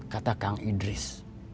kata kang idris